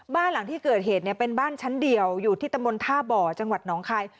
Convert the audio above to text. บ้านหลังที่เกิดเหตุเนี่ยเป็นบ้านชั้นเดียวอยู่ที่ตำบลท่าบ่อจังหวัดหนองคาย